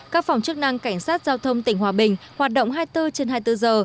các phòng chức năng cảnh sát giao thông tỉnh hòa bình hoạt động hai mươi bốn trên hai mươi bốn giờ